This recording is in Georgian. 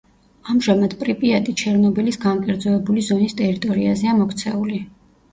ამჟამად პრიპიატი ჩერნობილის განკერძოებული ზონის ტერიტორიაზეა მოქცეული.